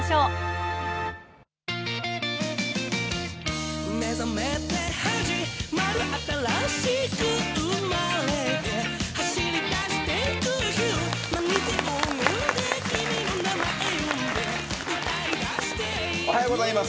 おはようございます。